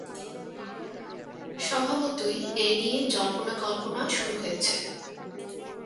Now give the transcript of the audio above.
স্বভাবতই এ নিয়ে জল্পনা কল্পনা শুরু হয়েছে।